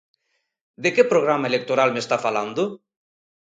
De que programa electoral me está falando?